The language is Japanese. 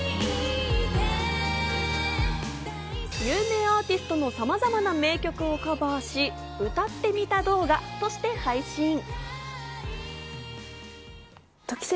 有名アーティストのさまざまな名曲をカバーし、歌ってみた動画として配信。